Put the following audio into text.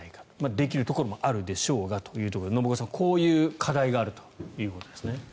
できるところもあるでしょうがということですが信岡さん、こういう課題があるということですね。